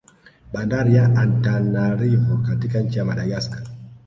Bandari ya Antananarivo katika nchi ya Madagascar